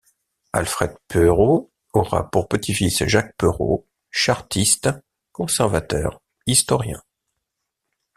Alfred Perot aura pour petit-fils Jacques Perot, chartiste, conservateur, historien.